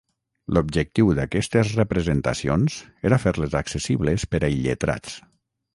L'objectiu d'aquestes representacions era fer-les accessibles per a illetrats.